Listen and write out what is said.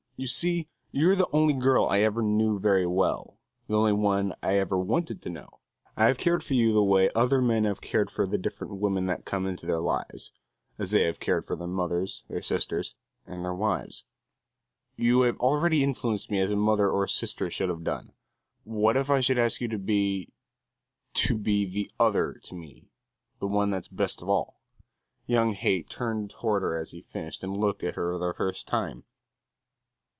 You see, you are the only girl I ever knew very well the only one I ever wanted to know. I have cared for you the way other men have cared for the different women that come into their lives; as they have cared for their mothers, their sisters and their wives. You have already influenced me as a mother or sister should have done; what if I should ever ask you to be to be the other to me, the one that's best of all?" Young Haight turned toward her as he finished and looked at her for the first time.